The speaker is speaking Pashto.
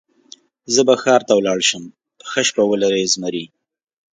زه به ښار ته ولاړ شم، ښه شپه ولرئ زمري.